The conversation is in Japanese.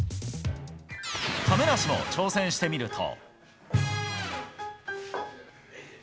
亀梨も挑戦してみると。